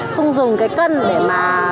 không dùng cái cân để mà